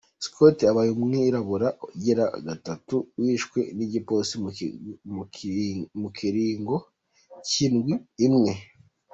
Scott abaye umwirabure agira gatatu yishwe n’igipolisi mu kiringo c’indwi imwe.